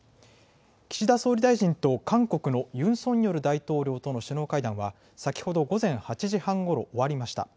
岸田総理大臣と韓国のユン・ソンニョル大統領との首脳会談は先ほど午前８時半ごろ終わりました。